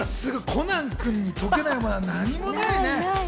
コナン君に解けないものは何もないね。